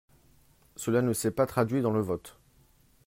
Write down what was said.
Cela ne s’est pas traduit dans le vote.